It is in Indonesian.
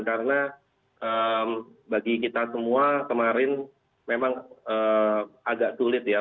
karena bagi kita semua kemarin memang agak sulit ya